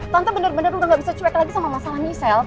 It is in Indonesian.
tante bener bener udah gak bisa cuek lagi sama masalah micelle